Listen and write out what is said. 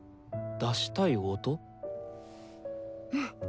うん！